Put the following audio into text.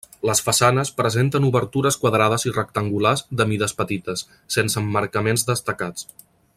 Les façanes presenten obertures quadrades i rectangulars de mides petites, sense emmarcaments destacats.